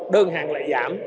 đơn hàng lại giảm